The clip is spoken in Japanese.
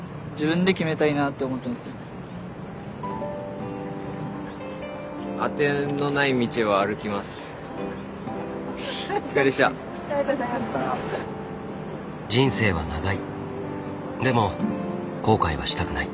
でも後悔はしたくない。